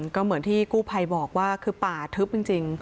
ก็เหมือนที่กู้ภัยบอกว่าคือป่าทึบจริง